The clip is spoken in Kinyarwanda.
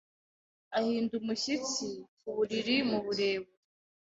ahinda umushyitsi ku buririMu burebure